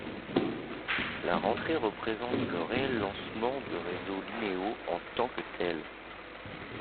La rentrée représente le réel lancement du réseau Linéo en tant que tel.